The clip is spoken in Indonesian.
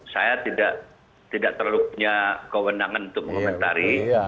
saya tidak terlalu punya kewenangan untuk mengomentari